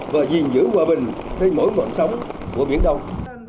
và giữ hòa bình trên mỗi mọi sống của biển đông